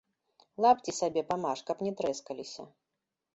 Лапці сабе памаж, каб не трэскаліся.